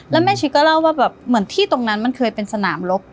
แล้วแม่ชิดก็เล่าว่าแบบเหมือนที่ตรงนั้นมันเคยเป็นสนามลบ